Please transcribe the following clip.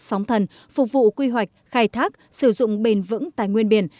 sóng thần phục vụ quy hoạch khai thác sử dụng bền vững tài nguyên biển